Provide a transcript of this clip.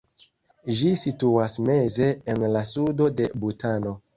Ĝi situas meze en la sudo de Butano.